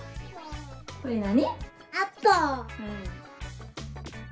これ何？